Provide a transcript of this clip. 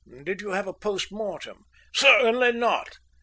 "Did you have a post mortem?" "Certainly not.